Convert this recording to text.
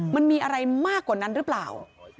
มันมีอะไรมากกว่านั้นหรือเปล่า